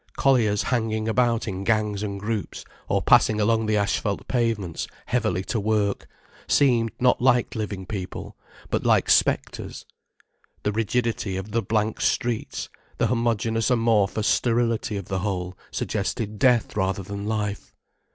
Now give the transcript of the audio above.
Colliers hanging about in gangs and groups, or passing along the asphalt pavements heavily to work, seemed not like living people, but like spectres. The rigidity of the blank streets, the homogeneous amorphous sterility of the whole suggested death rather than life.